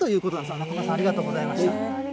中村さん、ありがとうございました。